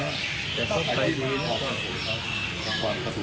แต่เขาไปดีนะ